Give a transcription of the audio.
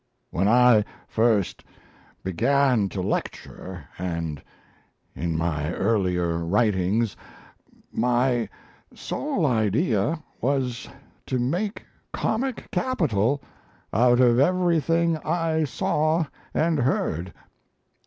When I first began to lecture, and in my earlier writings, my sole idea was to make comic capital out of everything I saw and heard.